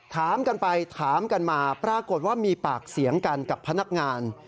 ถามกันไปถามกันมาปรากฏว่ามีปากเสียงกันกับพนักงาน